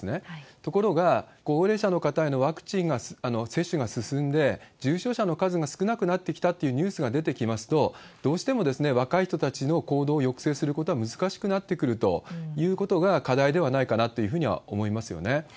ところが、高齢者の方へのワクチンが接種が進んで、重症者の数が少なくなってきたというニュースが出てきますと、どうしても若い人たちの行動を抑制することが難しくなってくるということが課題ではないかなというふうには思いますよね。